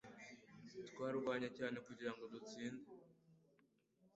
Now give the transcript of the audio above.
Twarwanye cyane kugirango dutsinde